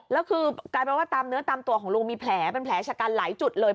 แล้วคือกลายเป็นว่าตามเนื้อตามตัวของลุงมีแผลเป็นแผลชะกันหลายจุดเลย